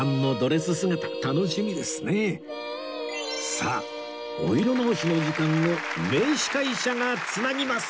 さあお色直しの時間を名司会者が繋ぎます！